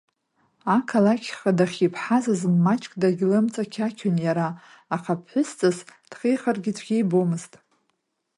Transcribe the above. Ақалақьхы дахьиԥҳаз азын маҷк дагьлымҵақьақьон иара, аха ԥҳәысҵас дхихыргьы цәгьа ибомызт.